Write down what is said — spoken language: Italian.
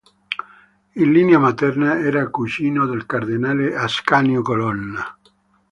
In linea materna era cugino del cardinale Ascanio Colonna.